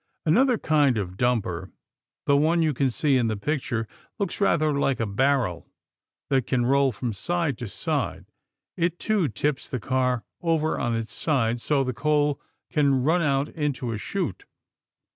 Another kind of dumper, the one you can see in the picture, looks rather like a barrel that can roll from side to side. It, too, tips the car over on its side so the coal can run out into a chute.